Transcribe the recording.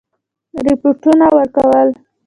رپوټونه ورکول.